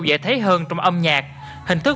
dễ thấy hơn trong âm nhạc hình thức